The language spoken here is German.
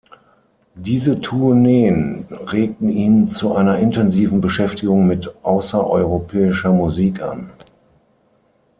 Diese Tourneen regten ihn zu einer intensiven Beschäftigung mit außereuropäischer Musik an.